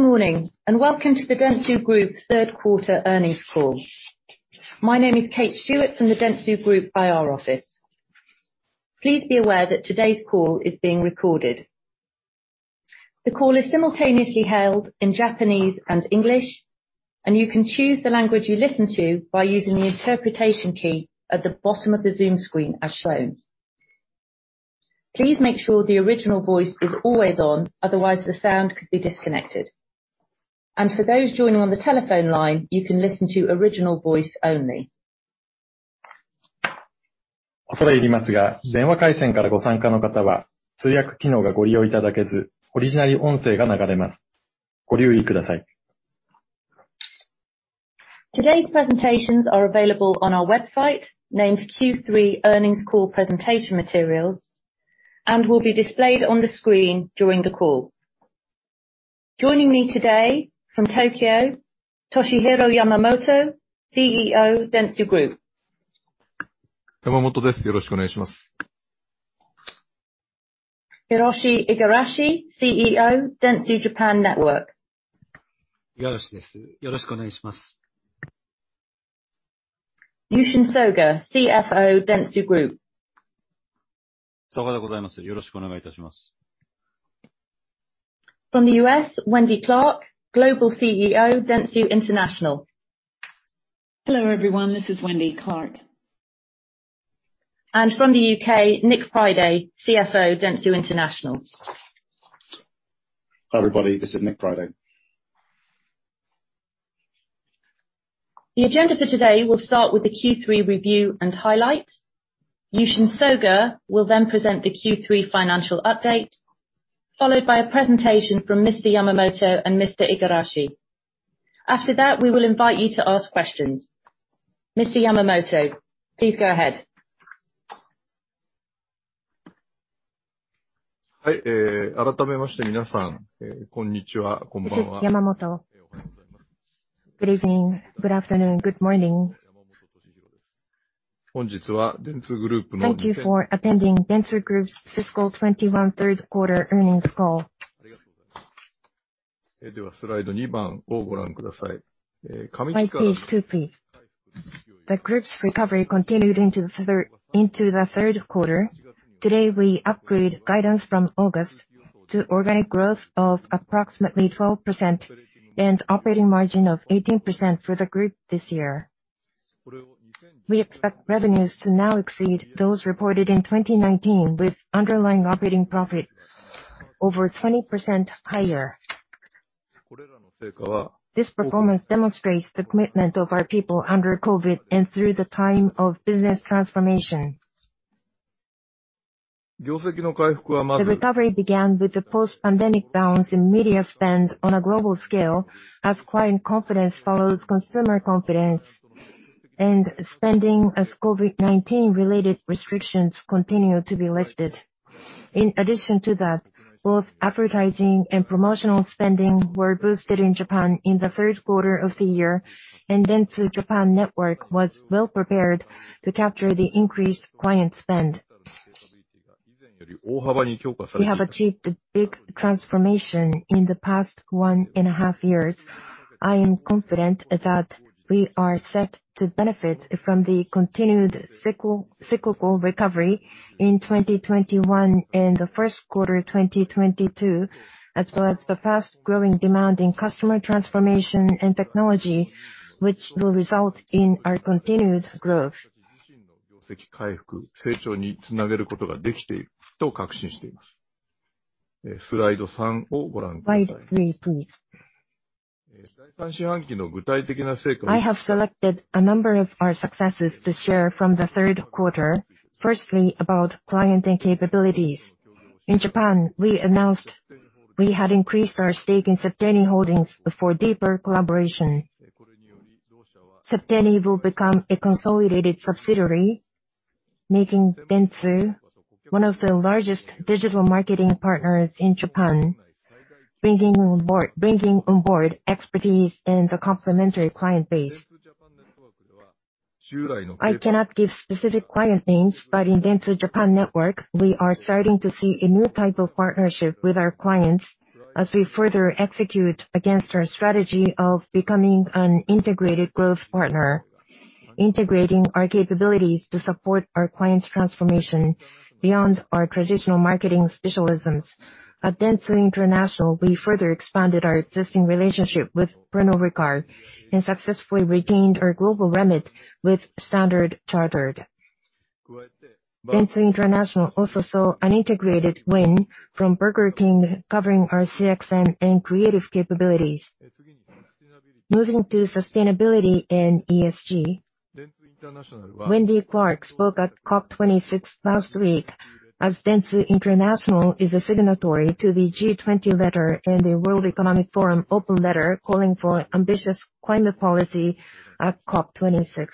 Good morning, and welcome to the Dentsu Group third quarter earnings call. My name is Kate Stewart from the Dentsu Group IR office. Please be aware that today's call is being recorded. The call is simultaneously held in Japanese and English, and you can choose the language you listen to by using the interpretation key at the bottom of the Zoom screen as shown. Please make sure the original voice is always on, otherwise, the sound could be disconnected. For those joining on the telephone line, you can listen to original voice only. Today's presentations are available on our website, named Q3 Earnings Call Presentation Materials, and will be displayed on the screen during the call. Joining me today from Tokyo, Toshihiro Yamamoto, CEO, Dentsu Group. Hiroshi Igarashi, CEO, Dentsu Japan Network. Yushin Soga, CFO, Dentsu Group. From the U.S., Wendy Clark, Global CEO, Dentsu International. Hello, everyone. This is Wendy Clark. From the U.K., Nick Priday, CFO, Dentsu International. Hi, everybody. This is Nick Priday. The agenda for today will start with the Q3 review and highlights. Yushin Soga will then present the Q3 financial update, followed by a presentation from Mr. Yamamoto and Mr. Igarashi. After that, we will invite you to ask questions. Mr. Yamamoto, please go ahead. This is Yamamoto. Good evening, good afternoon, good morning. Thank you for attending Dentsu Group's fiscal 2021 third quarter earnings call. Slide 2, please. The group's recovery continued into the third quarter. Today, we upgrade guidance from August to organic growth of approximately 12% and operating margin of 18% for the group this year. We expect revenues to now exceed those reported in 2019, with underlying operating profit over 20% higher. This performance demonstrates the commitment of our people under COVID and through the time of business transformation. The recovery began with the post-pandemic bounce in media spend on a global scale, as client confidence follows consumer confidence and spending, as COVID-19 related restrictions continue to be lifted. In addition to that, both advertising and promotional spending were boosted in Japan in the third quarter of the year, and Dentsu Japan Network was well-prepared to capture the increased client spend. We have achieved a big transformation in the past one and a half years. I am confident that we are set to benefit from the continued cyclical recovery in 2021 and the first quarter, 2022, as well as the fast-growing demand in customer transformation and technology, which will result in our continued growth. Slide 3, please. I have selected a number of our successes to share from the third quarter. Firstly, about client and capabilities. In Japan, we announced we had increased our stake in Septeni Holdings for deeper collaboration. Septeni will become a consolidated subsidiary, making Dentsu one of the largest digital marketing partners in Japan, bringing on board expertise and a complementary client base. I cannot give specific client names, but in Dentsu Japan Network, we are starting to see a new type of partnership with our clients as we further execute against our strategy of becoming an integrated growth partner, integrating our capabilities to support our clients' transformation beyond our traditional marketing specialisms. At Dentsu International, we further expanded our existing relationship with Renault Group and successfully retained our global remit with Standard Chartered. Dentsu International also saw an integrated win from Burger King, covering our CXM and creative capabilities. Moving to sustainability and ESG, Wendy Clark spoke at COP26 last week as Dentsu International is a signatory to the G20 letter and the World Economic Forum open letter, calling for ambitious climate policy at COP26.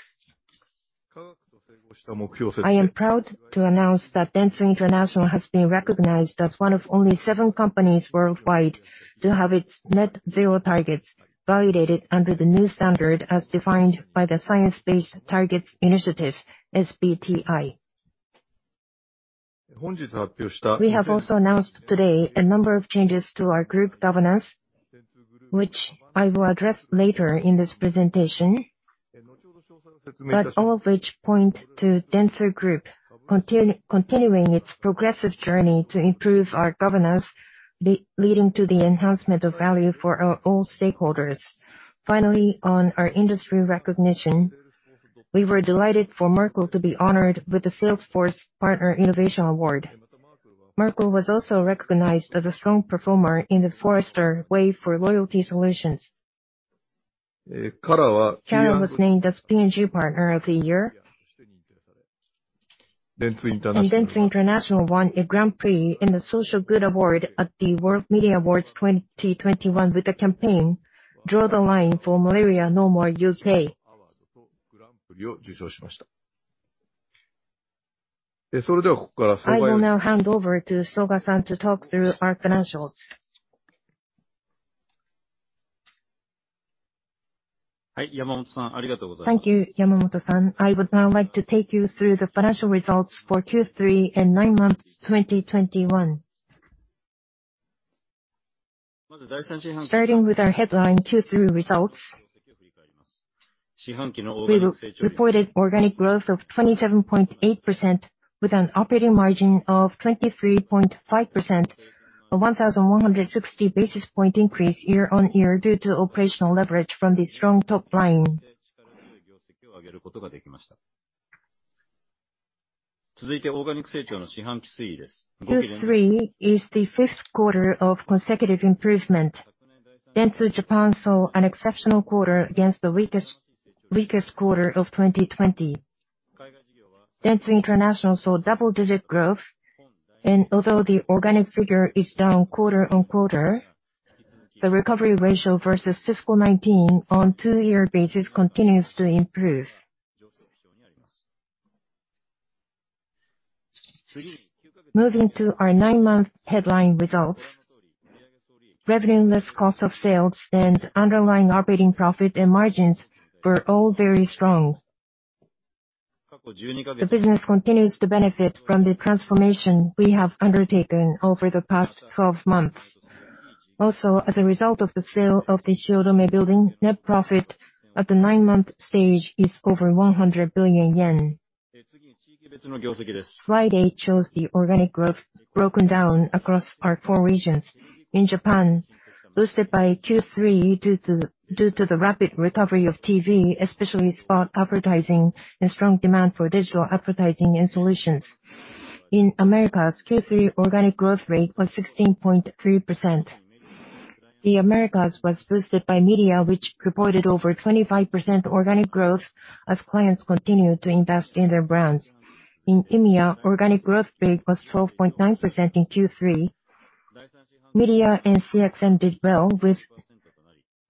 I am proud to announce that Dentsu International has been recognized as one of only seven companies worldwide to have its net zero targets validated under the new standard as defined by the Science Based Targets initiative, SBTi. We have also announced today a number of changes to our group governance, which I will address later in this presentation. All of which point to Dentsu Group continuing its progressive journey to improve our governance, leading to the enhancement of value for all our stakeholders. Finally, on our industry recognition, we were delighted for Merkle to be honored with the Salesforce Partner Innovation Award. Merkle was also recognized as a strong performer in the Forrester Wave for Loyalty Solutions. Carat was named as P&G Partner of the Year. Dentsu International won a Grand Prix in the Social Good Award at the World Media Awards 2021 with the campaign Draw the Line for Malaria No More UK. I will now hand over to Soga-san to talk through our financials. Thank you, Yamamoto-san. I would now like to take you through the financial results for Q3 and nine months 2021. Starting with our headline Q3 results. We reported organic growth of 27.8% with an operating margin of 23.5%. A 1,160 basis point increase year-on-year due to operational leverage from the strong top line. Q3 is the fifth quarter of consecutive improvement. Dentsu Japan saw an exceptional quarter against the weakest quarter of 2020. Dentsu International saw double-digit growth. Although the organic figure is down quarter-on-quarter, the recovery ratio versus fiscal 2019 on two-year basis continues to improve. Moving to our nine-month headline results. Revenue less cost of sales and underlying operating profit and margins were all very strong. The business continues to benefit from the transformation we have undertaken over the past 12 months. Also, as a result of the sale of the Shiodome building, net profit at the nine-month stage is over 100 billion yen. Slide 8 shows the organic growth broken down across our four regions. In Japan, boosted by Q3 due to the rapid recovery of TV, especially spot advertising and strong demand for digital advertising and solutions. In Americas, Q3 organic growth rate was 16.3%. The Americas was boosted by media, which reported over 25% organic growth as clients continue to invest in their brands. In EMEA, organic growth rate was 12.9% in Q3. Media and CXM did well with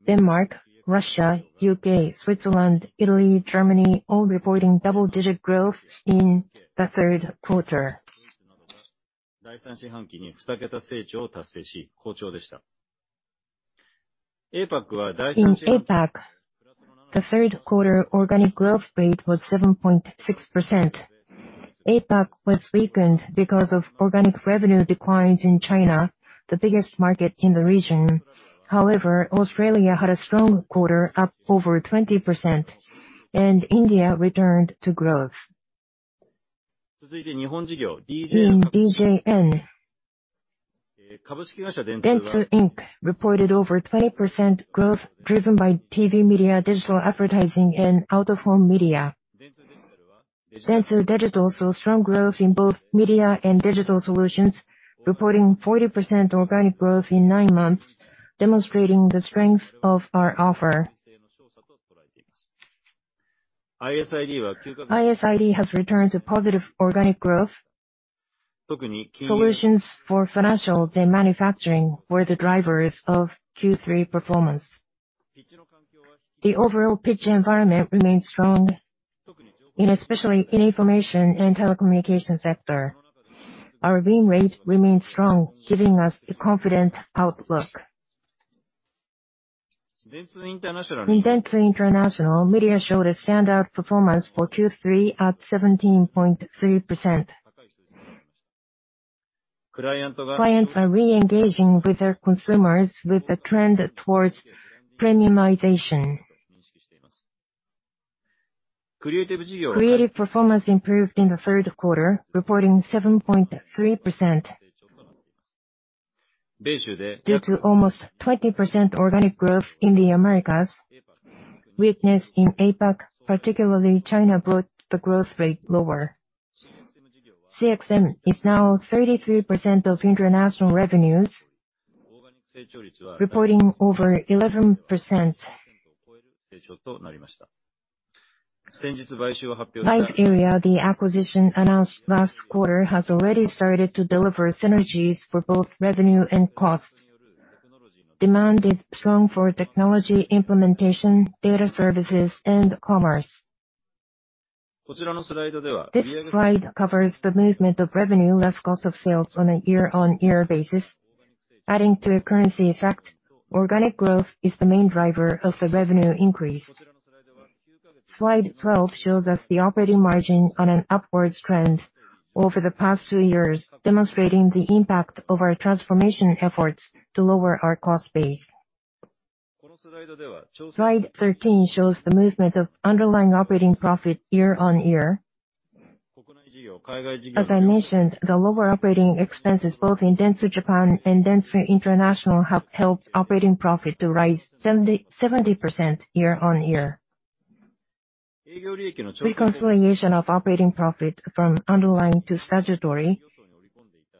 Denmark, Russia, U.K., Switzerland, Italy, Germany, all reporting double-digit growth in the third quarter. In APAC, the third quarter organic growth rate was 7.6%. APAC was weakened because of organic revenue declines in China, the biggest market in the region. However, Australia had a strong quarter, up over 20%, and India returned to growth. In DJN, Dentsu Inc. reported over 20% growth driven by TV media, digital advertising, and out-of-home media. Dentsu Digital saw strong growth in both media and digital solutions, reporting 40% organic growth in nine months, demonstrating the strength of our offer. ISID has returned to positive organic growth. Solutions for financials and manufacturing were the drivers of Q3 performance. The overall pitch environment remains strong, and especially in information and telecommunications sector. Our win rate remains strong, giving us a confident outlook. In Dentsu International, media showed a standout performance for Q3 at 17.3%. Clients are re-engaging with their consumers with a trend towards premiumization. Creative performance improved in the third quarter, reporting 7.3%. Due to almost 20% organic growth in the Americas, weakness in APAC, particularly China, brought the growth rate lower. CXM is now 33% of international revenues, reporting over 11%. LiveArea, the acquisition announced last quarter, has already started to deliver synergies for both revenue and costs. Demand is strong for technology implementation, data services, and commerce. This slide covers the movement of revenue less cost of sales on a year-on-year basis. Adding to a currency effect, organic growth is the main driver of the revenue increase. Slide 12 shows us the operating margin on an upwards trend over the past two years, demonstrating the impact of our transformation efforts to lower our cost base. Slide 13 shows the movement of underlying operating profit year-over-year. As I mentioned, the lower operating expenses both in Dentsu Japan and Dentsu International have helped operating profit to rise 70% year-over-year. Reconciliation of operating profit from underlying to statutory.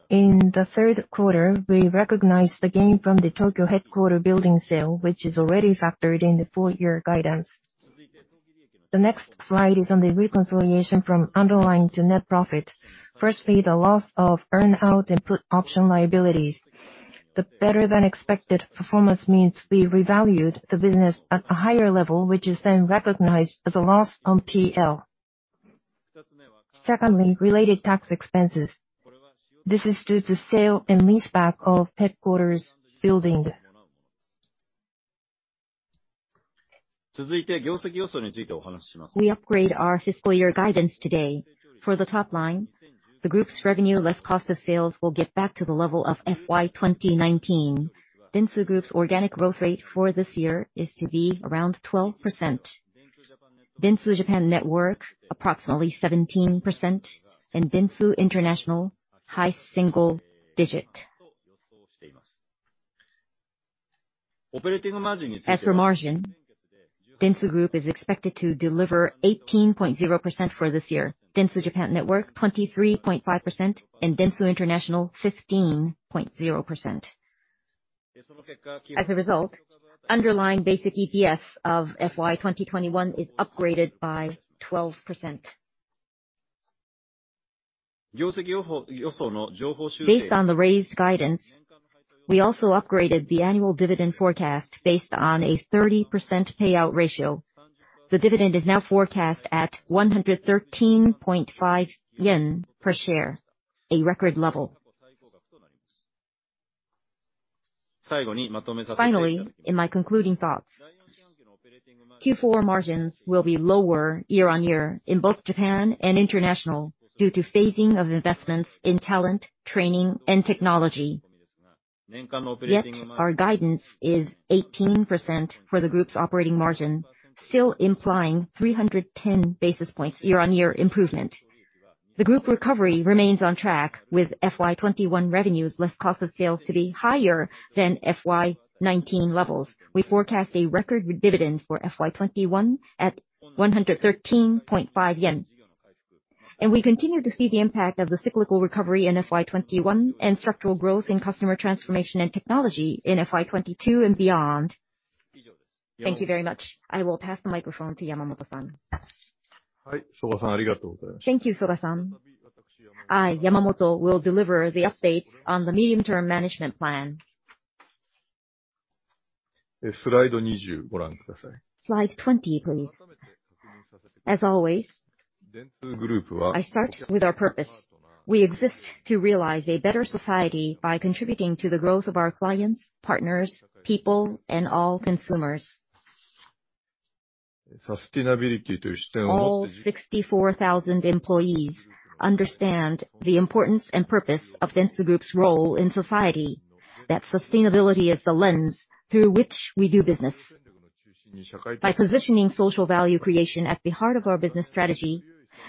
In the third quarter, we recognized the gain from the Tokyo headquarters building sale, which is already factored in the full-year guidance. The next slide is on the reconciliation from underlying to net profit. Firstly, the loss of earn out and put option liabilities. The better-than-expected performance means we revalued the business at a higher level, which is then recognized as a loss on P&L. Secondly, related tax expenses. This is due to sale and leaseback of headquarters building. We upgrade our fiscal year guidance today. For the top line, the group's revenue less cost of sales will get back to the level of FY 2019. Dentsu Group's organic growth rate for this year is to be around 12%. Dentsu Japan Network approximately 17% and Dentsu International high single digit. As for margin, Dentsu Group is expected to deliver 18.0% for this year. Dentsu Japan Network 23.5% and Dentsu International 15.0%. As a result, underlying basic EPS of FY 2021 is upgraded by 12%. Based on the raised guidance, we also upgraded the annual dividend forecast based on a 30% payout ratio. The dividend is now forecast at 113.5 yen per share, a record level. Finally, in my concluding thoughts, Q4 margins will be lower year-on-year in both Japan and International due to phasing of investments in talent, training and technology. Yet our guidance is 18% for the group's operating margin, still implying 310 basis points year-on-year improvement. The group recovery remains on track with FY 2021 revenues less cost of sales to be higher than FY 2019 levels. We forecast a record dividend for FY 2021 at 113.5 yen. We continue to see the impact of the cyclical recovery in FY 2021 and structural growth in customer transformation and technology in FY 2022 and beyond. Thank you very much. I will pass the microphone to Yamamoto-san. Thank you, Soga-san. I, Yamamoto, will deliver the update on the medium-term management plan. Slide 20, please. As always, I start with our purpose. We exist to realize a better society by contributing to the growth of our clients, partners, people and all consumers. All 64,000 employees understand the importance and purpose of Dentsu Group's role in society, that sustainability is the lens through which we do business. By positioning social value creation at the heart of our business strategy,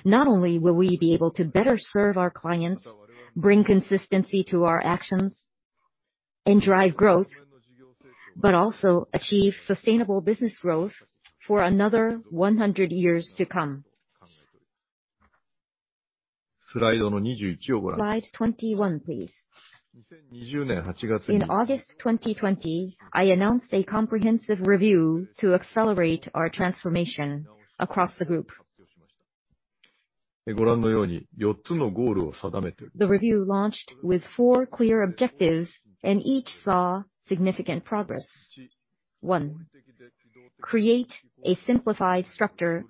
not only will we be able to better serve our clients, bring consistency to our actions and drive growth, but also achieve sustainable business growth for another 100 years to come. Slide 21, please. In August 2020, I announced a comprehensive review to accelerate our transformation across the group. The review launched with four clear objectives, and each saw significant progress. One, create a simplified structure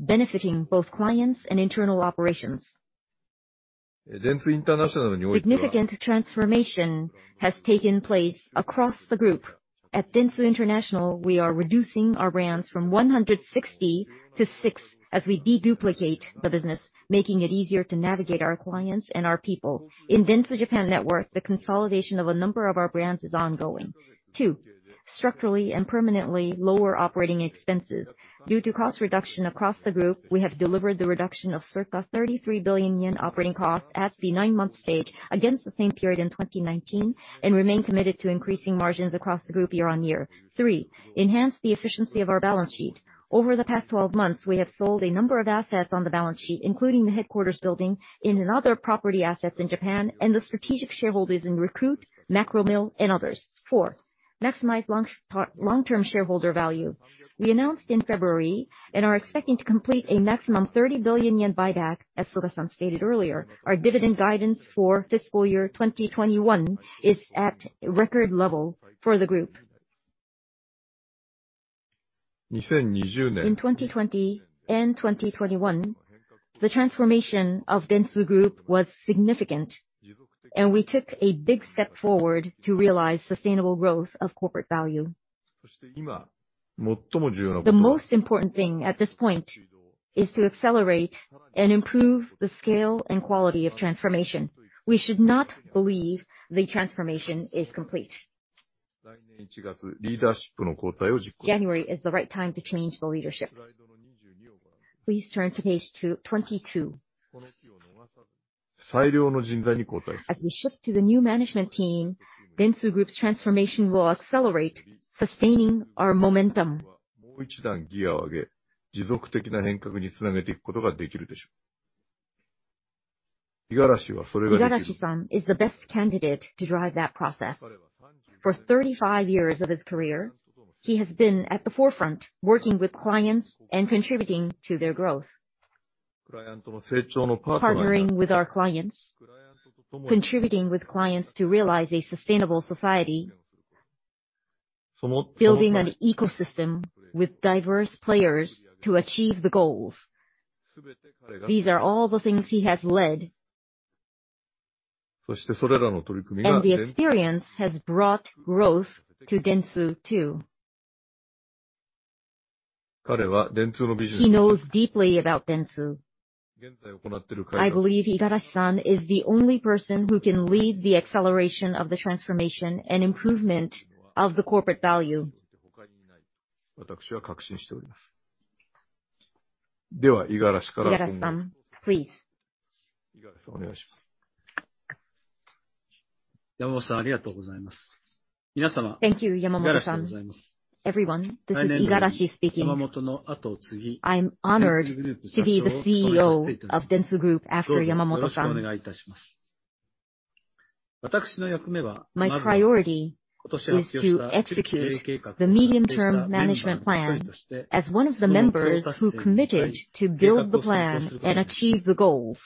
benefiting both clients and internal operations. Significant transformation has taken place across the group. At Dentsu International, we are reducing our brands from 160 to six as we deduplicate the business, making it easier to navigate our clients and our people. In Dentsu Japan Network, the consolidation of a number of our brands is ongoing. Two, structurally and permanently lower operating expenses. Due to cost reduction across the group, we have delivered the reduction of circa 33 billion yen operating costs at the nine-month stage against the same period in 2019 and remain committed to increasing margins across the group year-on-year. Three, enhance the efficiency of our balance sheet. Over the past 12 months, we have sold a number of assets on the balance sheet, including the headquarters building and other property assets in Japan and the strategic shareholders in Recruit, Macromill and others. Four, maximize long-term shareholder value. We announced in February and are expecting to complete a maximum 30 billion yen buyback as Soga-san stated earlier. Our dividend guidance for fiscal year 2021 is at record level for the group. In 2020 and 2021 the transformation of Dentsu Group was significant, and we took a big step forward to realize sustainable growth of corporate value. The most important thing at this point is to accelerate and improve the scale and quality of transformation. We should not believe the transformation is complete. January is the right time to change the leadership. Please turn to Page 22. As we shift to the new management team, Dentsu Group's transformation will accelerate, sustaining our momentum. Igarashi-san is the best candidate to drive that process. For 35 years of his career, he has been at the forefront, working with clients and contributing to their growth. Partnering with our clients, contributing with clients to realize a sustainable society, building an ecosystem with diverse players to achieve the goals. These are all the things he has led. The experience has brought growth to Dentsu too. He knows deeply about Dentsu. I believe Igarashi-san is the only person who can lead the acceleration of the transformation and improvement of the corporate value. Igarashi-san, please. Thank you, Yamamoto-san. Everyone, this is Igarashi speaking. I'm honored to be the CEO of Dentsu Group after Yamamoto-san. My priority is to execute the medium-term management plan as one of the members who committed to build the plan and achieve the goals,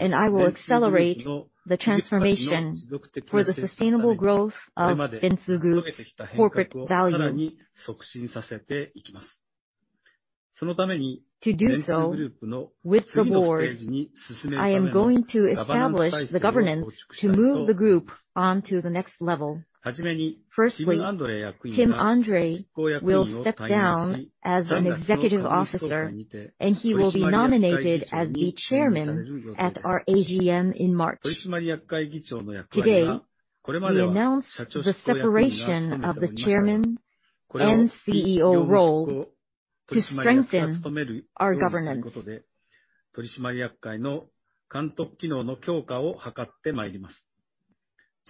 and I will accelerate the transformation for the sustainable growth of Dentsu Group's corporate value. To do so, with the board, I am going to establish the governance to move the group onto the next level. Firstly, Tim Andree will step down as an executive officer, and he will be nominated as the Chairman at our AGM in March. Today, we announce the separation of the Chairman and CEO role to strengthen our governance.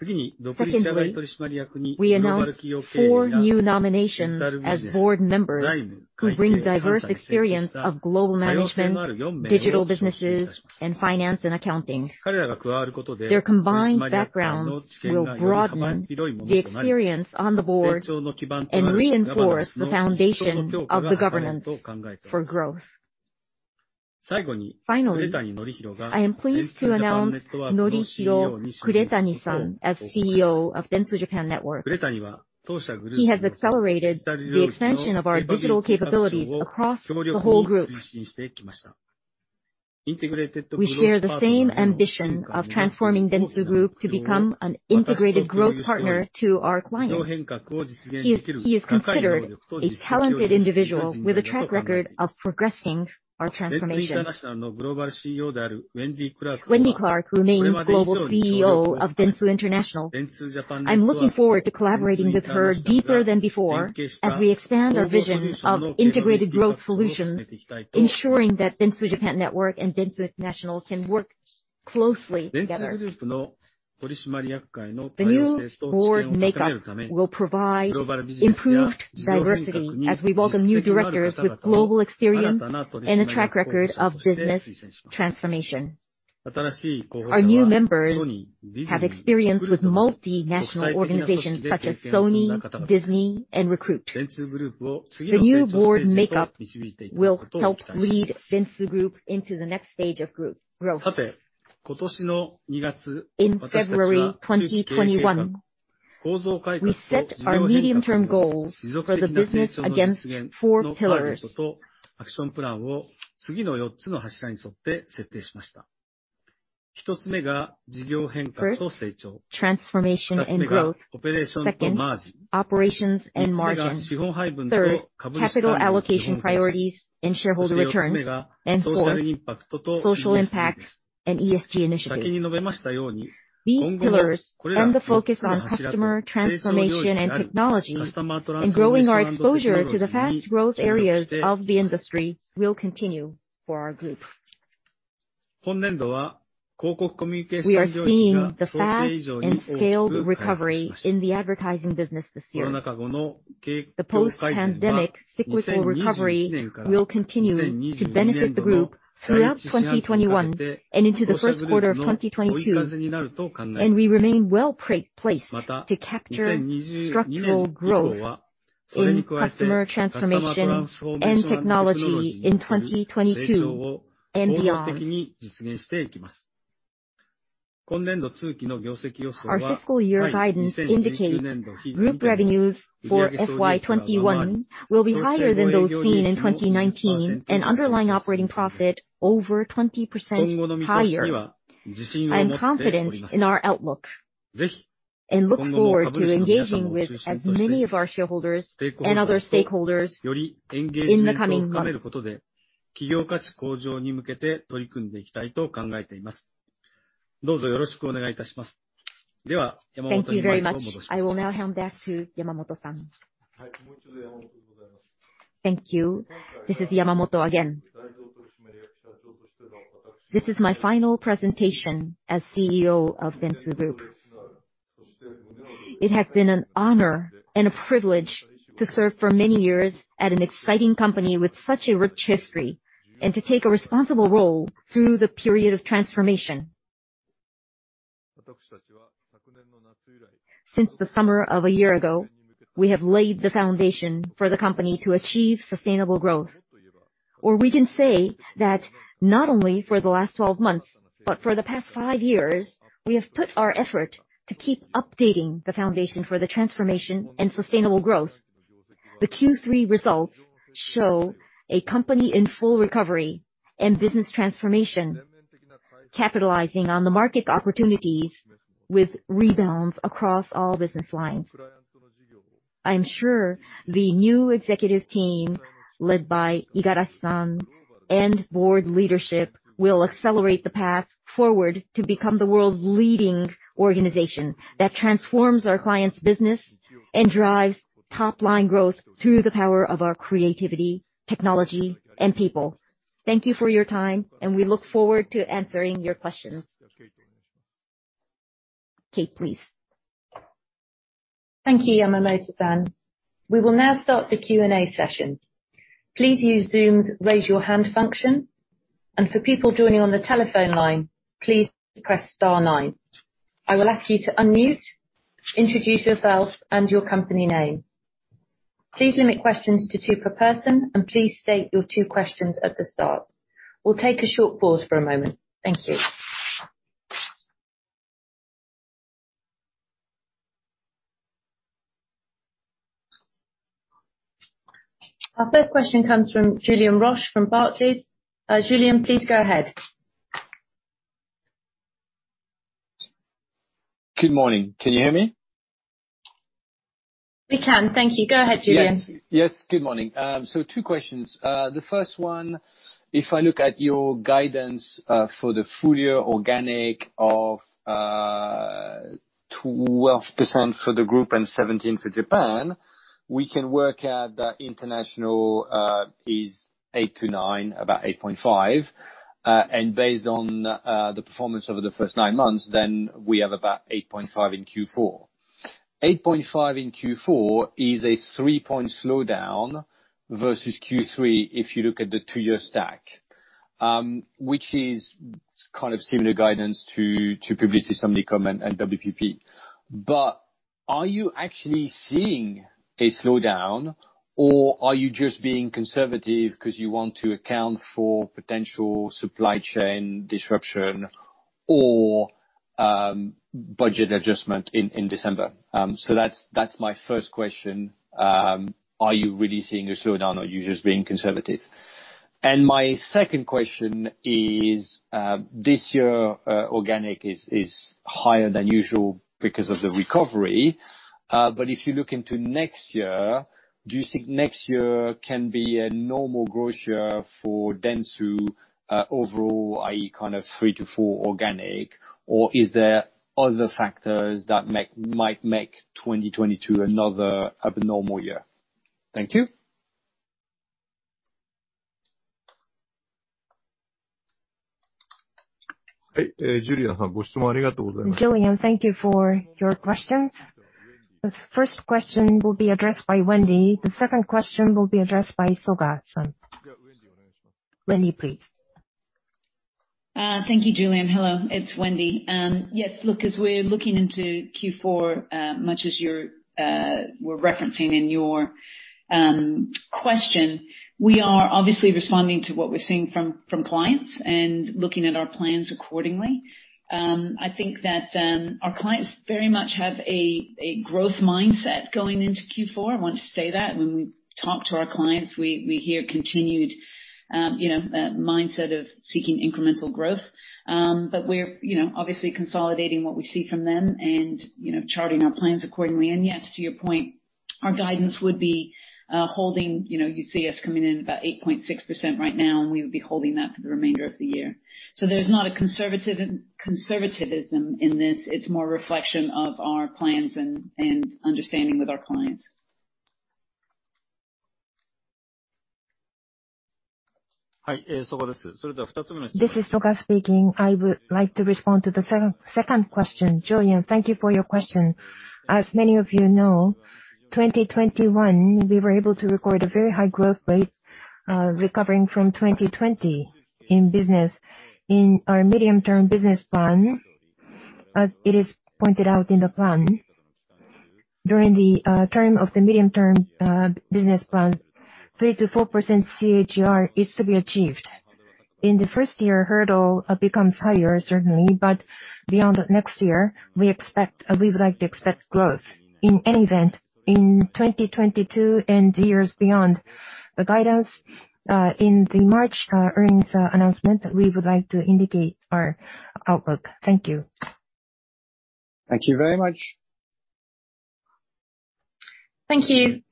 Secondly, we announce four new nominations as board members who bring diverse experience of global management, digital businesses, and finance and accounting. Their combined backgrounds will broaden the experience on the board and reinforce the foundation of the governance for growth. Finally, I am pleased to announce Norihiro Kuretani-san as CEO of Dentsu Japan Network. He has accelerated the expansion of our digital capabilities across the whole group. We share the same ambition of transforming Dentsu Group to become an integrated growth partner to our clients. He is considered a talented individual with a track record of progressing our transformation. Wendy Clark remains Global CEO of Dentsu International. I'm looking forward to collaborating with her deeper than before as we expand our vision of integrated growth solutions, ensuring that Dentsu Japan Network and Dentsu International can work closely together. The new board makeup will provide improved diversity as we welcome new directors with global experience and a track record of business transformation. Our new members have experience with multinational organizations such as Sony, Disney, and Recruit. The new board makeup will help lead Dentsu Group into the next stage of group growth. In February 2021, we set our medium-term goals for the business against four pillars. First, transformation and growth. Second, operations and margin. Third, capital allocation priorities and shareholder returns. And fourth, social impacts and ESG initiatives. These pillars and the focus on customer transformation and technology and growing our exposure to the fast growth areas of the industry will continue for our group. We are seeing the fast and scaled recovery in the advertising business this year. The post-pandemic cyclical recovery will continue to benefit the group throughout 2021 and into the first quarter of 2022, and we remain well placed to capture structural growth in customer transformation and technology in 2022 and beyond. Our fiscal year guidance indicates group revenues for FY 2021 will be higher than those seen in 2019, and underlying operating profit over 20% higher. I am confident in our outlook and look forward to engaging with as many of our shareholders and other stakeholders in the coming months. Thank you very much. I will now hand back to Yamamoto-san. Thank you. This is Yamamoto again. This is my final presentation as CEO of Dentsu Group. It has been an honor and a privilege to serve for many years at an exciting company with such a rich history, and to take a responsible role through the period of transformation. Since the summer of a year ago, we have laid the foundation for the company to achieve sustainable growth. We can say that not only for the last 12 months, but for the past five years, we have put our effort to keep updating the foundation for the transformation and sustainable growth. The Q3 results show a company in full recovery and business transformation, capitalizing on the market opportunities with rebounds across all business lines. I am sure the new executive team, led by Igarashi-san and board leadership, will accelerate the path forward to become the world's leading organization that transforms our clients' business and drives top-line growth through the power of our creativity, technology, and people. Thank you for your time, and we look forward to answering your questions. Kate, please. Thank you, Yamamoto-san. We will now start the Q&A session. Please use Zoom's Raise Your Hand function, and for people joining on the telephone line, please press star nine. I will ask you to unmute, introduce yourself and your company name. Please limit questions to two per person, and please state your two questions at the start. We'll take a short pause for a moment. Thank you. Our first question comes from Julien Roch from Barclays. Julian, please go ahead. Good morning. Can you hear me? We can. Thank you. Go ahead, Julien. Yes. Yes, good morning. Two questions. The first one, if I look at your guidance for the full year organic of 12% for the group and 17% for Japan, we can work out that international is 8%-9%, about 8.5%. And based on the performance over the first nine months, then we have about 8.5% in Q4. 8.5% in Q4 is a three-point slowdown versus Q3 if you look at the previous stack, which is kind of similar guidance to Publicis, Omnicom, and WPP. But are you actually seeing a slowdown, or are you just being conservative 'cause you want to account for potential supply chain disruption or budget adjustment in December? That's my first question. Are you really seeing a slowdown or are you just being conservative? My second question is, this year, organic is higher than usual because of the recovery. If you look into next year, do you think next year can be a normal growth year for Dentsu, overall, i.e. kind of 3%-4% organic, or is there other factors that might make 2022 another abnormal year? Thank you. Julien, thank you for your questions. The first question will be addressed by Wendy. The second question will be addressed by Soga-san. Wendy, please. Thank you, Julien. Hello, it's Wendy. Yes, look, as we're looking into Q4, much as you were referencing in your question, we are obviously responding to what we're seeing from clients and looking at our plans accordingly. I think that our clients very much have a growth mindset going into Q4. I want to say that when we talk to our clients, we hear continued, you know, mindset of seeking incremental growth. But we're, you know, obviously consolidating what we see from them and, you know, charting our plans accordingly. Yes, to your point, our guidance would be holding, you know, you'd see us coming in about 8.6% right now, and we would be holding that for the remainder of the year. There's not a conservatism in this. It's more reflection of our plans and understanding with our clients. This is Soga speaking. I would like to respond to the second question. Julien, thank you for your question. As many of you know, 2021, we were able to record a very high growth rate, recovering from 2020 in business. In our medium-term business plan, as it is pointed out in the plan. During the term of the medium-term business plan, 3%-4% CAGR is to be achieved. In the first year, hurdle becomes higher certainly, but beyond next year, we expect we would like to expect growth. In any event, in 2022 and years beyond, the guidance in the March earnings announcement, we would like to indicate our outlook. Thank you. Thank you very much. Thank you.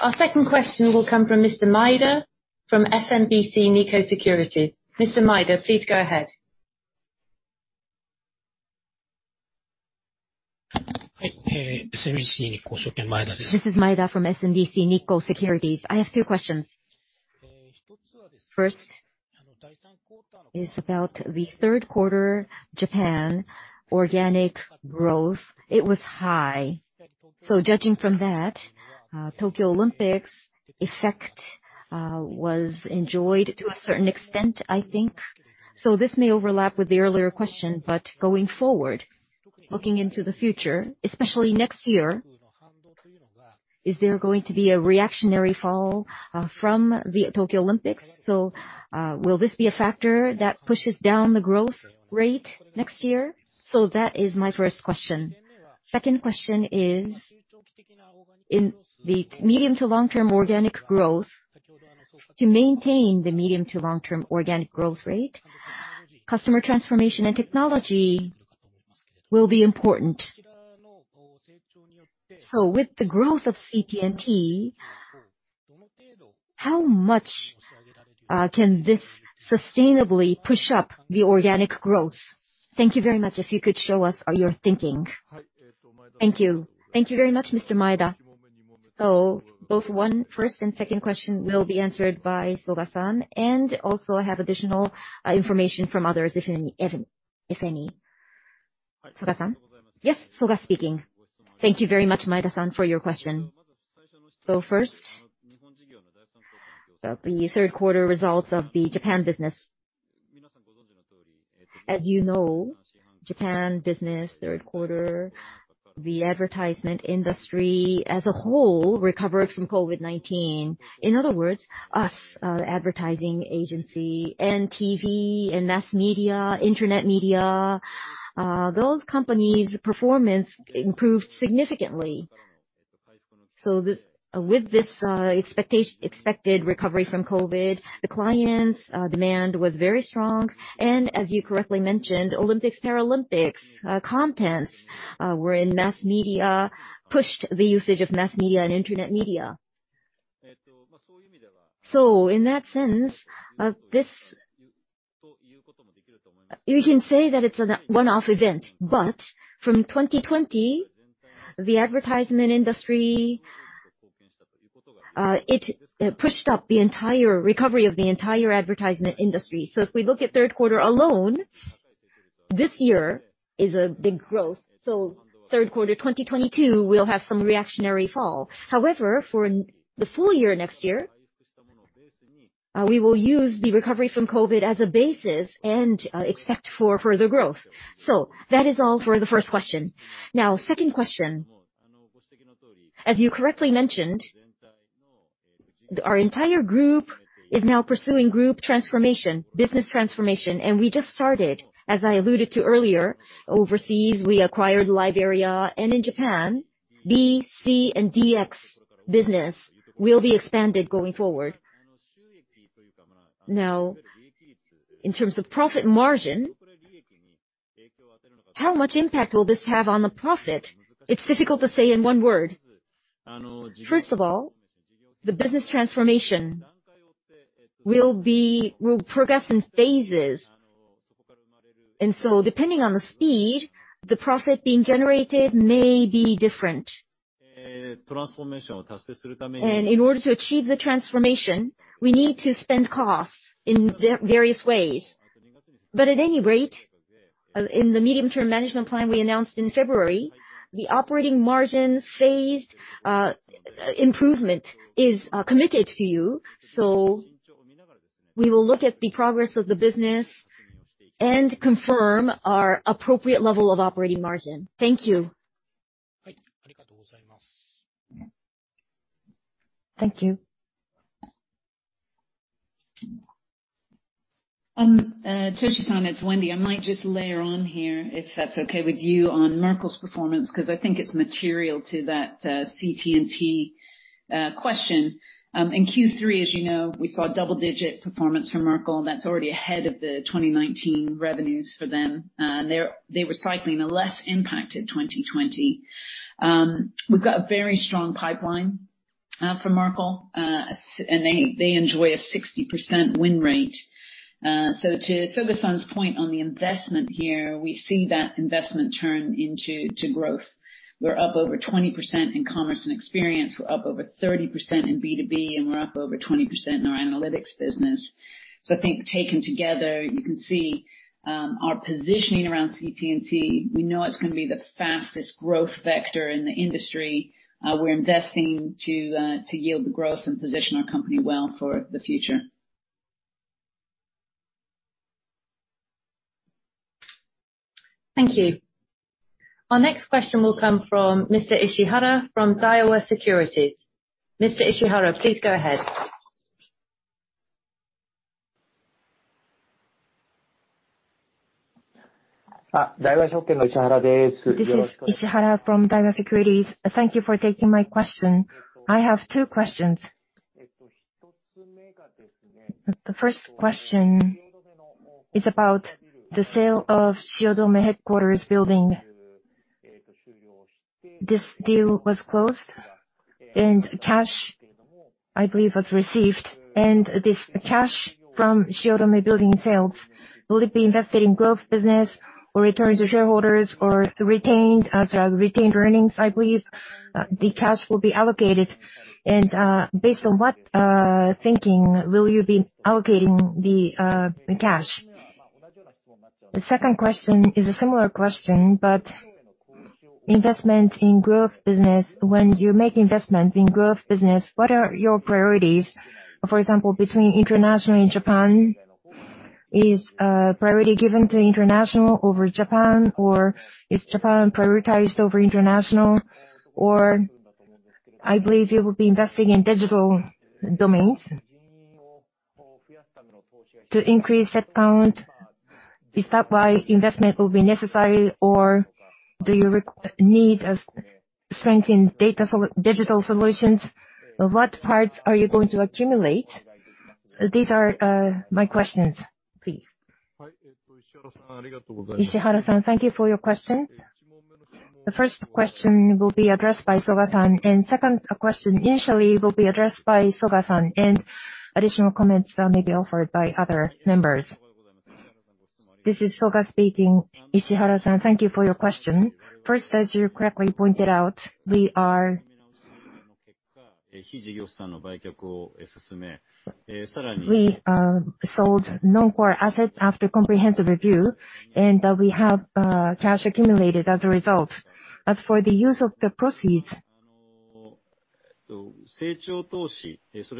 Our second question will come from Mr. Maeda from SMBC Nikko Securities. Mr. Maeda, please go ahead. This is Maeda from SMBC Nikko Securities. I have two questions. First is about the third-quarter Japan organic growth. It was high. Judging from that, Tokyo Olympics effect was enjoyed to a certain extent, I think. This may overlap with the earlier question, but going forward, looking into the future, especially next year, is there going to be a reactionary fall from the Tokyo Olympics? Will this be a factor that pushes down the growth rate next year? That is my first question. Second question is, in the medium to long-term organic growth, to maintain the medium to long-term organic growth rate, customer transformation and technology will be important. With the growth of CT&T, how much can this sustainably push up the organic growth? Thank you very much. If you could show us your thinking. Thank you. Thank you very much, Mr. Maeda. Both the first and second questions will be answered by Soga-san, and also I have additional information from others if any. Soga-san? Yes, Soga speaking. Thank you very much, Maeda-san, for your question. First, the third quarter results of the Japan business. As you know, Japan business third quarter, the advertising industry as a whole recovered from COVID-19. In other words, our advertising agency and TV and mass media, internet media, those companies' performance improved significantly. With this expected recovery from COVID, the clients' demand was very strong. As you correctly mentioned, Olympics, Paralympics contents were in mass media, pushed the usage of mass media and internet media. In that sense, this you can say that it's a one-off event. From 2020, the advertising industry pushed up the entire recovery of the entire advertising industry. If we look at third quarter alone, this year is a big growth. Third quarter 2022 will have some reactionary fall. However, for the full year next year, we will use the recovery from COVID as a basis and expect for further growth. That is all for the first question. Now, second question. As you correctly mentioned, our entire group is now pursuing group transformation, business transformation, and we just started. As I alluded to earlier, overseas we acquired LiveArea, and in Japan, BCD and DX business will be expanded going forward. Now, in terms of profit margin, how much impact will this have on the profit? It's difficult to say in one word. First of all, the business transformation will progress in phases. Depending on the speed, the profit being generated may be different. In order to achieve the transformation, we need to spend costs in various ways. At any rate, in the medium-term management plan we announced in February, the operating margin phased improvement is committed to you. We will look at the progress of the business and confirm our appropriate level of operating margin. Thank you. Thank you. Toshika-san, it's Wendy. I might just layer on here if that's okay with you on Merkle's performance, 'cause I think it's material to that CT&T question. In Q3, as you know, we saw double-digit performance from Merkle. That's already ahead of the 2019 revenues for them. They're cycling a less impacted 2020. We've got a very strong pipeline for Merkle. And they enjoy a 60% win rate. To Soga-san's point on the investment here, we see that investment turn into growth. We're up over 20% in commerce and experience. We're up over 30% in B2B, and we're up over 20% in our analytics business. I think taken together, you can see our positioning around CT&T. We know it's gonna be the fastest growth vector in the industry. We're investing to yield the growth and position our company well for the future. Thank you. Our next question will come from Mr. Ishihara from Daiwa Securities. Mr. Ishihara, please go ahead. This is Ishihara from Daiwa Securities. Thank you for taking my question. I have two questions. The first question is about the sale of Shiodome headquarters building. This deal was closed and cash, I believe, was received. This cash from Shiodome building sales, will it be invested in growth business or return to shareholders or retained earnings? I believe the cash will be allocated. Based on what thinking will you be allocating the cash? The second question is a similar question, but investment in growth business. When you make investments in growth business, what are your priorities? For example, between international and Japan, is priority given to international over Japan, or is Japan prioritized over international? Or I believe you will be investing in digital domains? To increase headcount, is that why investment will be necessary, or do you need a strength in digital solutions? What parts are you going to accumulate? These are my questions. Please. Ishihara-san, thank you for your questions. The first question will be addressed by Soga-san, and second question initially will be addressed by Soga-san, and additional comments may be offered by other members. This is Soga speaking. Ishihara-san, thank you for your question. First, as you correctly pointed out, we sold non-core assets after comprehensive review, and we have cash accumulated as a result. As for the use of the proceeds,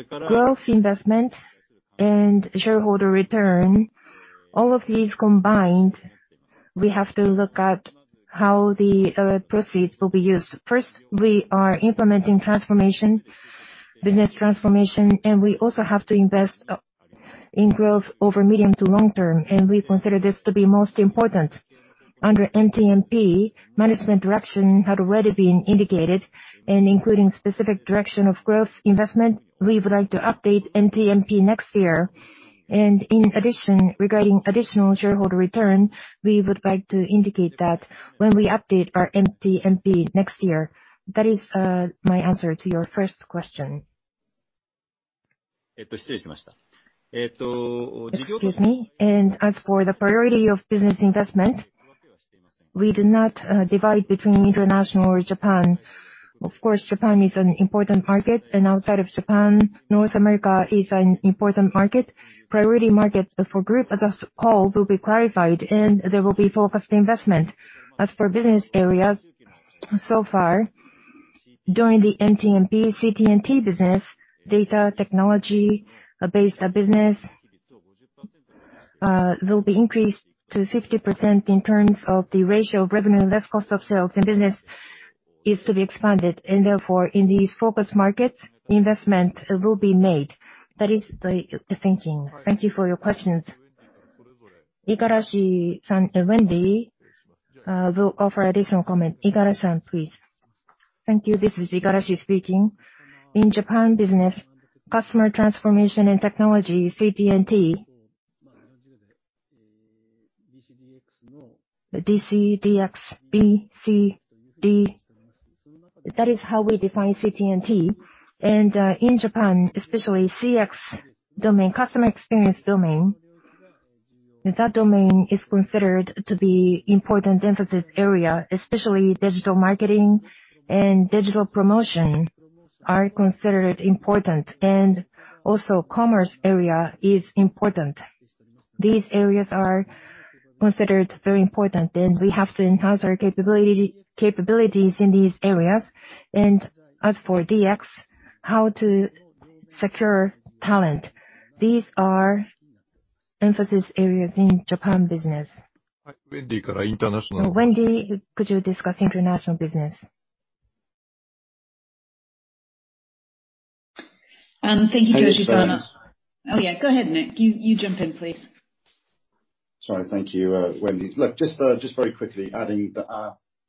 growth investment and shareholder return, all of these combined, we have to look at how the proceeds will be used. First, we are implementing transformation, business transformation, and we also have to invest in growth over medium to long term, and we consider this to be most important. Under MTMP, management direction had already been indicated and including specific direction of growth investment. We would like to update MTMP next year. In addition, regarding additional shareholder return, we would like to indicate that when we update our MTMP next year. That is, my answer to your first question. Excuse me. As for the priority of business investment, we do not divide between international or Japan. Of course, Japan is an important market, and outside of Japan, North America is an important market. Priority market for Group as a whole will be clarified and there will be focused investment. As for business areas, so far, during the MTMP, CT&T business, data technology-based business, will be increased to 50% in terms of the ratio of revenue less cost of sales and business is to be expanded. Therefore, in these focused markets, investment will be made. That is the thinking. Thank you for your questions. Igarashi-san and Wendy will offer additional comment. Igarashi-san, please. Thank you. This is Hiroshi Igarashi speaking. In Japan business, customer transformation and technology, CT&T. DC, DX, BCD. That is how we define CT&T. In Japan, especially CX domain, customer experience domain, that domain is considered to be important emphasis area, especially digital marketing and digital promotion are considered important and also commerce area is important. These areas are considered very important, and we have to enhance our capabilities in these areas. As for DX, how to secure talent, these are emphasis areas in Japan business. Wendy, could you discuss international business? Thank you, Joshi-san. Oh, yeah, go ahead, Nick. You jump in, please. Sorry. Thank you, Wendy. Look, just very quickly adding that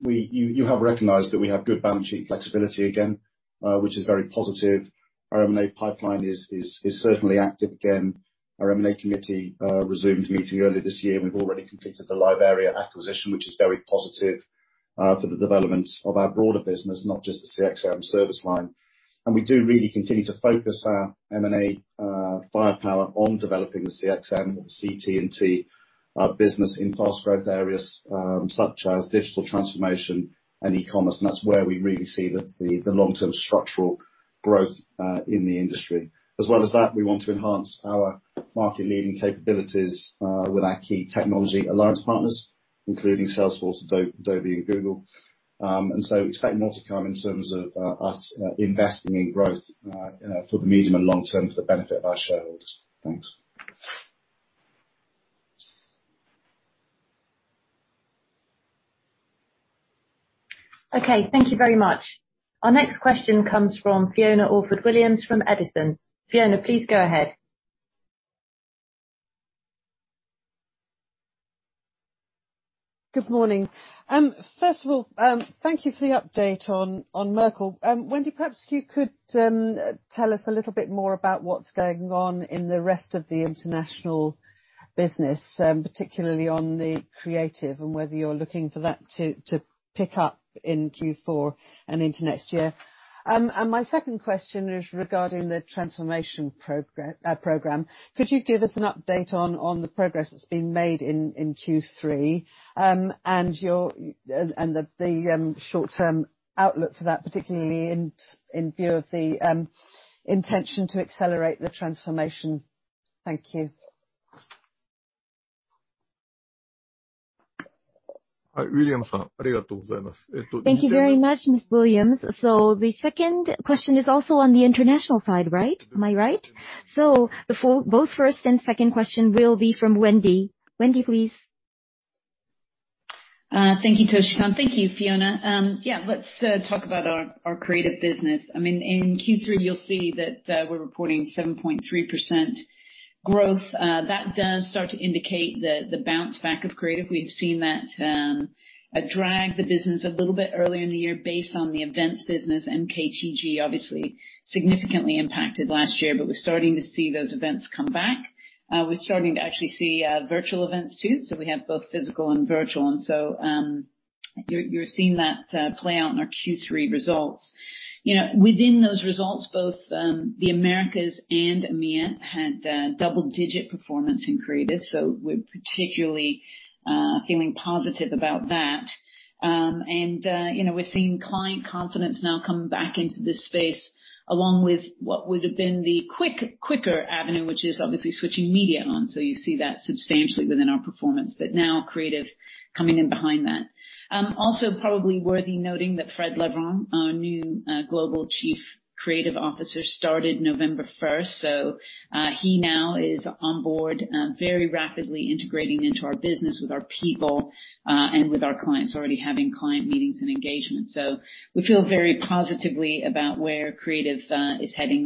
you have recognized that we have good balance sheet flexibility again, which is very positive. Our M&A pipeline is certainly active again. Our M&A committee resumed meeting early this year, and we've already completed the LiveArea acquisition, which is very positive for the development of our broader business, not just the CXM service line. We do really continue to focus our M&A firepower on developing the CXM, the CT&T business in fast growth areas, such as digital transformation and e-commerce. That's where we really see the long-term structural growth in the industry. As well as that, we want to enhance our market-leading capabilities with our key technology alliance partners, including Salesforce, Adobe and Google. Expect more to come in terms of us investing in growth for the medium and long term for the benefit of our shareholders. Thanks. Okay, thank you very much. Our next question comes from Fiona Orford-Williams from Edison. Fiona, please go ahead. Good morning. First of all, thank you for the update on Merkle. Wendy, perhaps you could tell us a little bit more about what's going on in the rest of the international business, particularly on the creative and whether you're looking for that to pick up in Q4 and into next year. My second question is regarding the transformation program. Could you give us an update on the progress that's been made in Q3? And the short-term outlook for that, particularly in view of the intention to accelerate the transformation. Thank you. Thank you very much, Ms. Williams. The second question is also on the international side, right? Am I right? Both first and second question will be from Wendy. Wendy, please. Thank you, Toshi-san. Thank you, Fiona. Yeah, let's talk about our creative business. I mean, in Q3 you'll see that we're reporting 7.3% growth. That does start to indicate the bounce back of creative. We've seen that drag the business a little bit earlier in the year based on the events business, and MKTG obviously significantly impacted last year. We're starting to see those events come back. We're starting to actually see virtual events too. We have both physical and virtual, and you're seeing that play out in our Q3 results. You know, within those results, both the Americas and EMEA had double-digit performance in creative, so we're particularly feeling positive about that. You know, we're seeing client confidence now come back into this space, along with what would have been the quicker avenue, which is obviously switching media on. You see that substantially within our performance. Now creative coming in behind that. Also probably worthy noting that Fred Levron, our new Global Chief Creative Officer, started November 1st. He now is on board, very rapidly integrating into our business with our people and with our clients, already having client meetings and engagements. We feel very positively about where creative is heading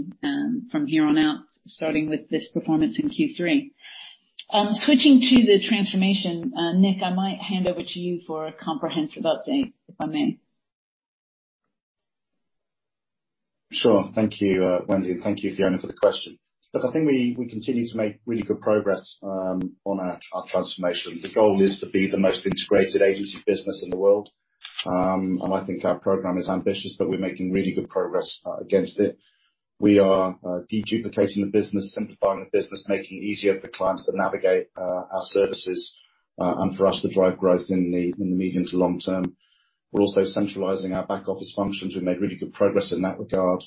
from here on out, starting with this performance in Q3. Switching to the transformation, Nick, I might hand over to you for a comprehensive update, if I may. Sure. Thank you, Wendy, and thank you, Fiona, for the question. Look, I think we continue to make really good progress on our transformation. The goal is to be the most integrated agency business in the world. I think our program is ambitious, but we're making really good progress against it. We are deduplicating the business, simplifying the business, making it easier for clients to navigate our services and for us to drive growth in the medium to long term. We're also centralizing our back office functions. We've made really good progress in that regard,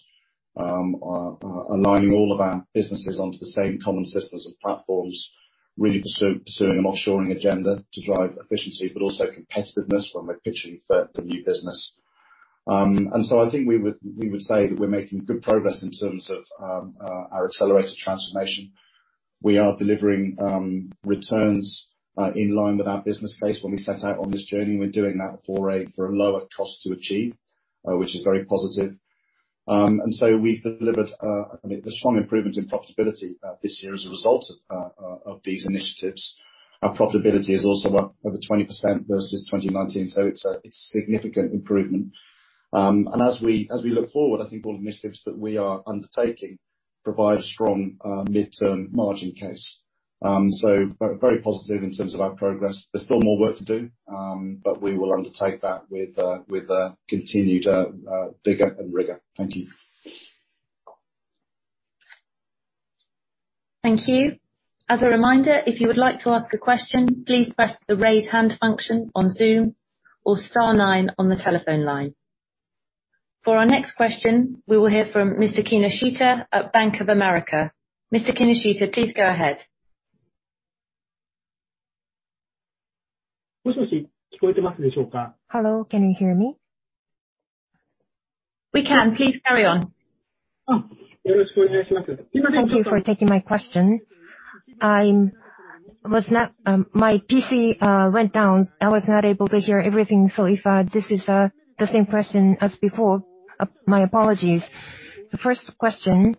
aligning all of our businesses onto the same common systems and platforms, pursuing an offshoring agenda to drive efficiency but also competitiveness when we're pitching for new business. I think we would say that we're making good progress in terms of our accelerated transformation. We are delivering returns in line with our business case when we set out on this journey. We're doing that for a lower cost to achieve, which is very positive. We've delivered. I mean, there's strong improvement in profitability this year as a result of these initiatives. Our profitability is also up over 20% versus 2019, so it's a significant improvement. As we look forward, I think all the initiatives that we are undertaking provide a strong midterm margin case. Very, very positive in terms of our progress. There's still more work to do, but we will undertake that with continued vigor and rigor. Thank you. Thank you. As a reminder, if you would like to ask a question, please press the Raise Hand function on Zoom or star nine on the telephone line. For our next question, we will hear from Mr. Kinoshita at Bank of America. Mr. Kinoshita, please go ahead. Hello, can you hear me? We can. Please carry on. Thank you for taking my question. My PC went down. I was not able to hear everything. If this is the same question as before, my apologies. The first question,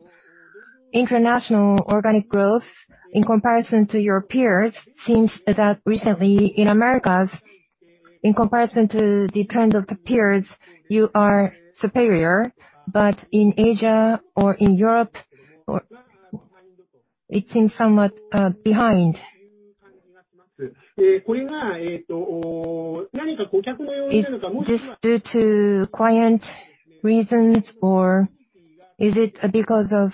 international organic growth in comparison to your peers seems that recently in Americas, in comparison to the trend of the peers, you are superior. In Asia or in Europe it seems somewhat behind. Is this due to client reasons or is it because of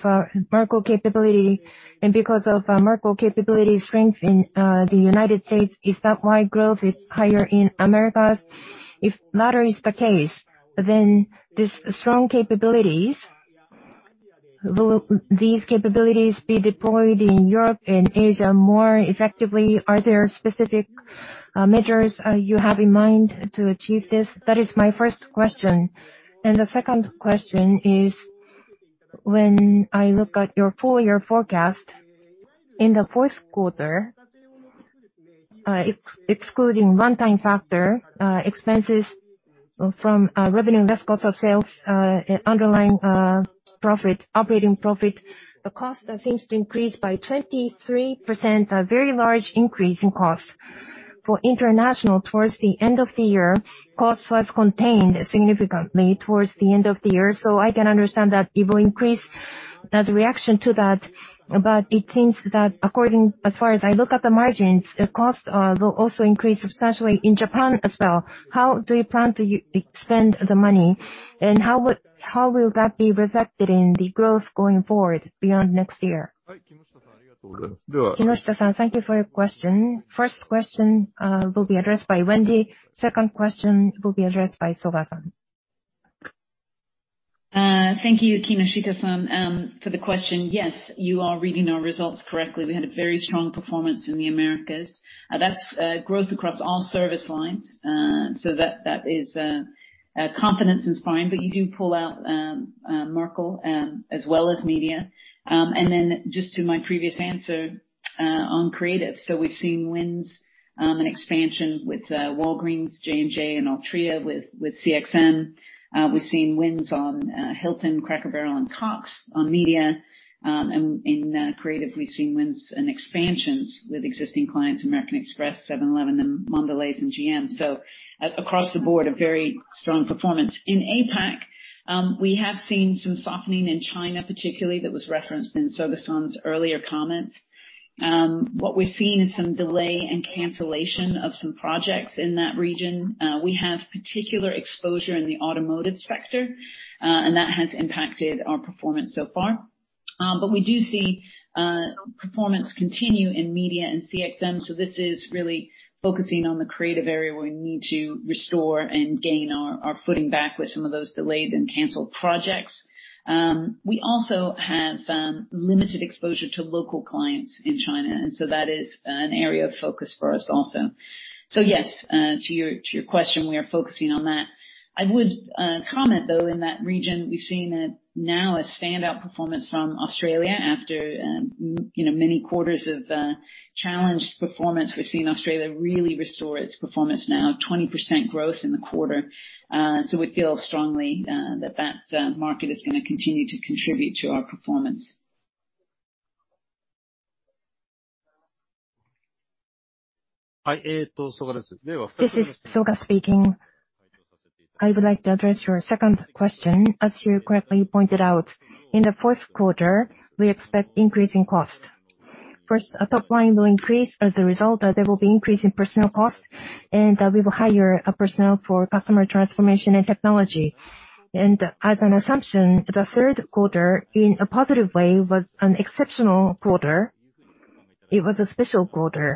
Merkle capability? Because of Merkle capability strength in the United States, is that why growth is higher in Americas? If latter is the case, then these strong capabilities, will these capabilities be deployed in Europe and Asia more effectively? Are there specific measures you have in mind to achieve this? That is my first question. The second question is, when I look at your full year forecast, in the fourth quarter, excluding one-time factor expenses from revenue less cost of sales, underlying operating profit, the cost seems to increase by 23%. A very large increase in costs for international towards the end of the year. Costs was contained significantly towards the end of the year. I can understand that it will increase as a reaction to that. It seems that according, as far as I look at the margins, the costs will also increase substantially in Japan as well. How do you plan to expend the money, and how will that be reflected in the growth going forward beyond next year? Kinoshita-san, thank you for your question. First question will be addressed by Wendy. Second question will be addressed by Soga-san. Thank you, Kinoshita-san, for the question. Yes, you are reading our results correctly. We had a very strong performance in the Americas. That's growth across all service lines. That is confidence-inspiring. You do pull out Merkle as well as media. Just to my previous answer on creative. We've seen wins and expansion with Walgreens, J&J, and Altria with CXM. We've seen wins on Hilton, Cracker Barrel, and Cox on media. In creative, we've seen wins and expansions with existing clients, American Express, 7-Eleven, Mondelēz, and GM. Across the board, a very strong performance. In APAC, we have seen some softening in China particularly. That was referenced in Soga-san's earlier comments. What we've seen is some delay and cancellation of some projects in that region. We have particular exposure in the automotive sector, and that has impacted our performance so far. But we do see performance continue in media and CXM. This is really focusing on the creative area where we need to restore and gain our footing back with some of those delayed and canceled projects. We also have limited exposure to local clients in China, and so that is an area of focus for us also. Yes, to your question, we are focusing on that. I would comment though, in that region we've seen now a standout performance from Australia. After you know many quarters of challenged performance, we're seeing Australia really restore its performance now, 20% growth in the quarter. We feel strongly that market is gonna continue to contribute to our performance. This is Yushin Soga speaking. I would like to address your second question. As you correctly pointed out, in the fourth quarter, we expect increase in cost. First, our top line will increase as a result, there will be increase in personnel costs, and we will hire a personnel for customer transformation and technology. As an assumption, the third quarter, in a positive way, was an exceptional quarter. It was a special quarter.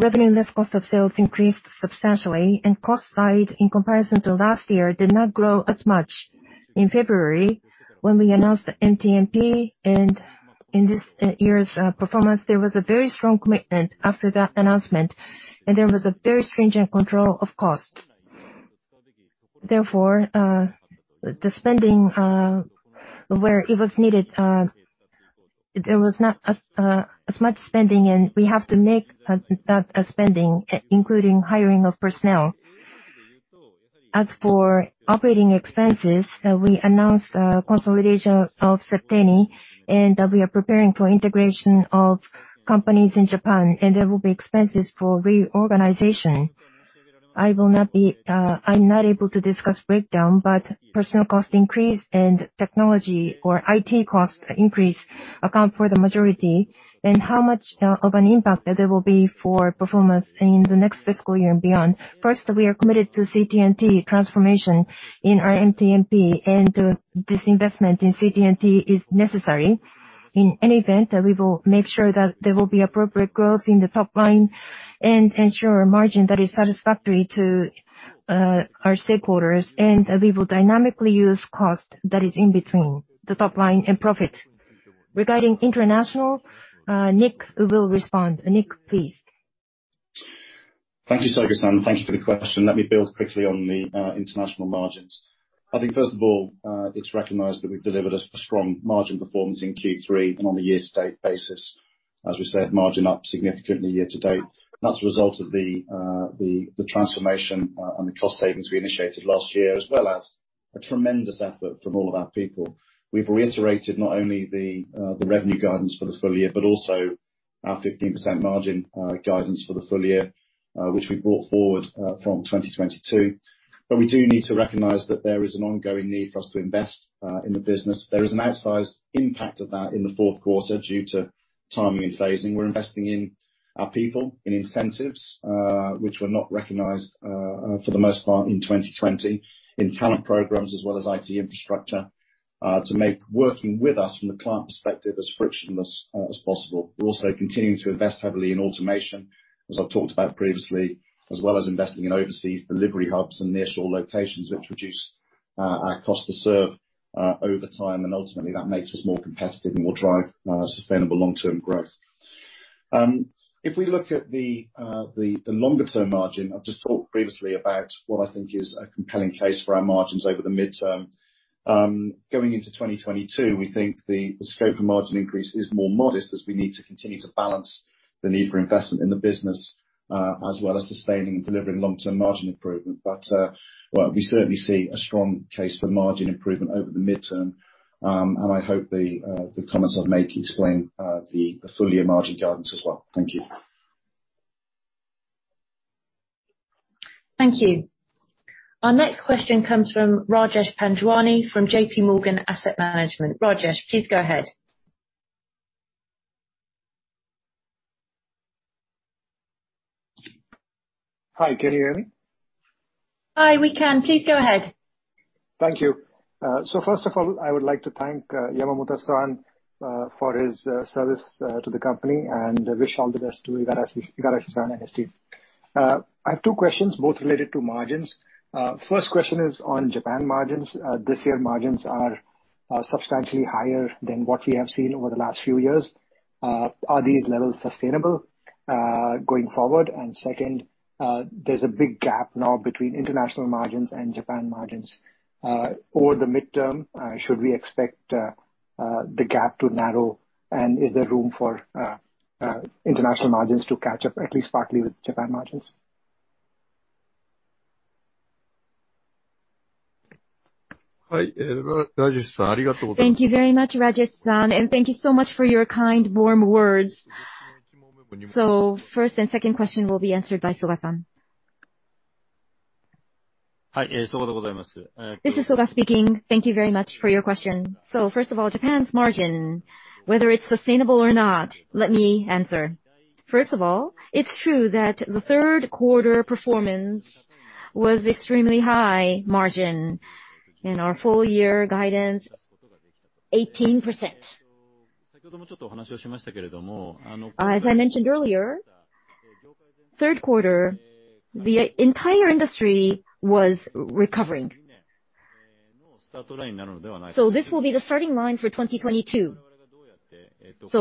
Revenue less cost of sales increased substantially, and cost side, in comparison to last year, did not grow as much. In February, when we announced MTMP, and in this year's performance, there was a very strong commitment after that announcement, and there was a very stringent control of costs. Therefore, the spending, where it was needed, there was not as much spending, and we have to make that spending, including hiring of personnel. As for operating expenses, we announced a consolidation of Septeni, and we are preparing for integration of companies in Japan, and there will be expenses for reorganization. I'm not able to discuss breakdown, but personnel cost increase and technology or IT costs increase account for the majority, and how much of an impact there will be for performance in the next fiscal year and beyond. First, we are committed to CT&T transformation in our MTMP, and this investment in CT&T is necessary. In any event, we will make sure that there will be appropriate growth in the top line and ensure a margin that is satisfactory to our stakeholders. We will dynamically use cost that is in between the top line and profit. Regarding international, Nick will respond. Nick, please. Thank you, Soga-san, thank you for the question. Let me build quickly on the international margins. I think first of all, it's recognized that we've delivered a strong margin performance in Q3 and on a year-to-date basis, as we said, margin up significantly year-to-date. That's a result of the transformation and the cost savings we initiated last year, as well as a tremendous effort from all of our people. We've reiterated not only the revenue guidance for the full year, but also our 15% margin guidance for the full year, which we brought forward from 2022. We do need to recognize that there is an ongoing need for us to invest in the business. There is an outsized impact of that in the fourth quarter due to timing and phasing. We're investing in our people, in incentives, which were not recognized, for the most part in 2020, in talent programs as well as IT infrastructure, to make working with us from the client perspective as frictionless as possible. We're also continuing to invest heavily in automation, as I've talked about previously, as well as investing in overseas delivery hubs and nearshore locations that reduce our cost to serve over time. Ultimately that makes us more competitive and will drive sustainable long-term growth. If we look at the longer term margin, I've just talked previously about what I think is a compelling case for our margins over the midterm. Going into 2022, we think the scope of margin increase is more modest as we need to continue to balance the need for investment in the business, as well as sustaining and delivering long-term margin improvement. We certainly see a strong case for margin improvement over the midterm. I hope the comments I've made explain the full year margin guidance as well. Thank you. Thank you. Our next question comes from Rajesh Panjwani from JPMorgan Asset Management. Rajesh, please go ahead. Hi, can you hear me? Hi, welcome. Please go ahead. Thank you. So first of all, I would like to thank Yamamoto-san for his service to the company and wish all the best to Igarashi-san and his team. I have two questions, both related to margins. First question is on Japan margins. This year margins are substantially higher than what we have seen over the last few years. Are these levels sustainable going forward? Second, there's a big gap now between international margins and Japan margins. Over the midterm, should we expect the gap to narrow? Is there room for international margins to catch up, at least partly with Japan margins? Thank you very much, Rajesh-san, and thank you so much for your kind, warm words. First and second question will be answered by Soga-san. This is Soga speaking. Thank you very much for your question. First of all, Japan's margin, whether it's sustainable or not, let me answer. First of all, it's true that the third quarter performance was extremely high margin in our full year guidance, 18%. As I mentioned earlier, third quarter, the entire industry was recovering. This will be the starting line for 2022.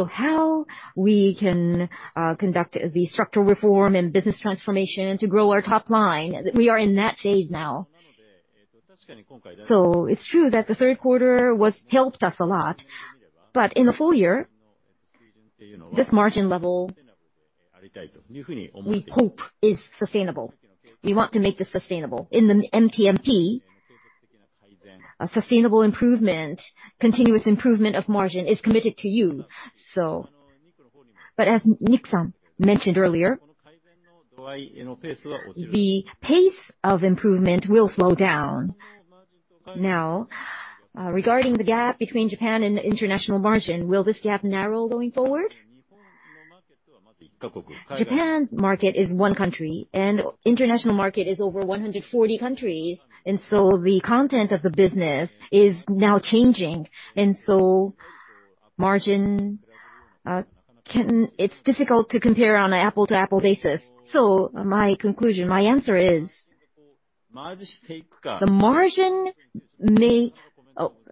How we can conduct the structural reform and business transformation to grow our top line, we are in that phase now. It's true that the third quarter helped us a lot, but in the full year, this margin level, we hope is sustainable. We want to make this sustainable. In the MTMP, a sustainable improvement, continuous improvement of margin is committed to you. As Nick-san mentioned earlier, the pace of improvement will slow down. Now, regarding the gap between Japan and the international margin, will this gap narrow going forward? Japan's market is one country, and international market is over 140 countries, and the content of the business is now changing. It's difficult to compare on an apples-to-apples basis. My conclusion, my answer is,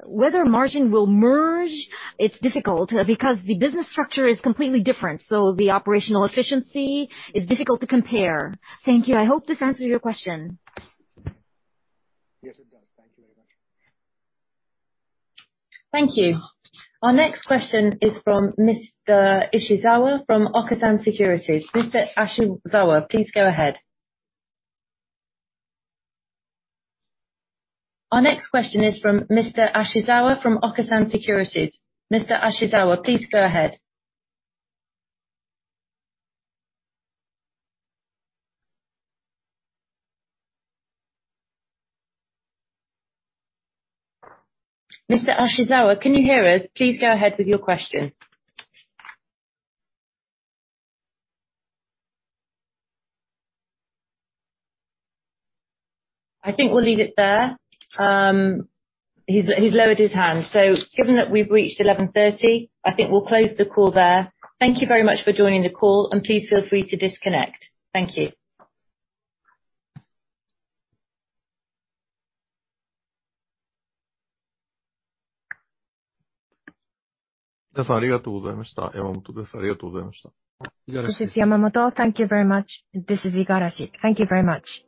whether margin will merge, it's difficult because the business structure is completely different. The operational efficiency is difficult to compare. Thank you. I hope this answers your question. Yes, it does. Thank you very much. Thank you. Our next question is from Mr. Ashizawa from Okasan Securities. Mr. Ashizawa, please go ahead. Mr. Ashizawa, can you hear us? Please go ahead with your question. I think we'll leave it there. He's lowered his hand. Given that we've reached 11:30, I think we'll close the call there. Thank you very much for joining the call, and please feel free to disconnect. Thank you. This is Yamamoto. Thank you very much. This is Igarashi. Thank you very much.